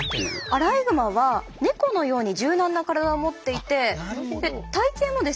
アライグマは猫のように柔軟な体を持っていて体形もですね